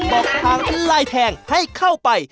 บอกทางลายแทงให้เข้าไป